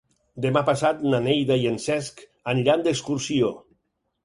Demà passat na Neida i en Cesc aniran d'excursió.